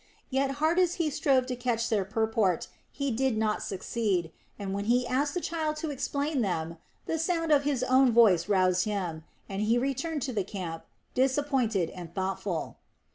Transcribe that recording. Yet hard as he strove to catch their purport, he did not succeed, and when he asked the child to explain them the sound of his own voice roused him and he returned to the camp, disappointed and thoughtful.